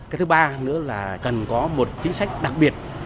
cái thứ ba nữa là cần có một chính sách đặc biệt